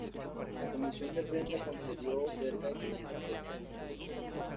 La comisión de prensa concedió cerca de quinientos credenciales de prensa.